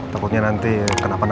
takutnya nanti kena penapa lagi